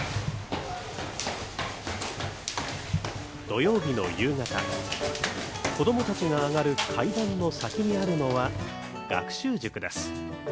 土曜日の夕方、子供たちが上がる階段の先にあるのは学習塾です。